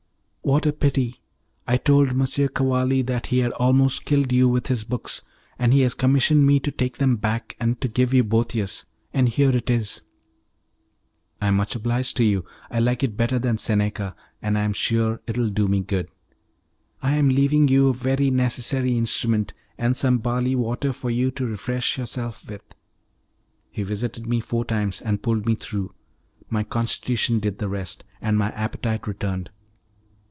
"What a pity! I told M. Cavalli that he had almost killed you with his books, and he has commissioned me to take them back, and to give you Boethius; and here it is." "I am much obliged to you. I like it better than Seneca, and I am sure it will do me good." "I am leaving you a very necessary instrument, and some barley water for you to refresh yourself with." He visited me four times, and pulled me through; my constitution did the rest, and my appetite returned.